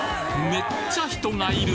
めっちゃ人がいる！